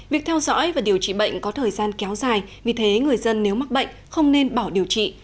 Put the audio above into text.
việc theo dõi và điều trị bệnh có thời gian kéo dài vì thế người dân nếu mắc bệnh không nên bảo điều trị